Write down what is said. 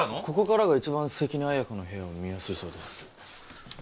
ここからが一番関根綾子の部屋を見やすいそうです。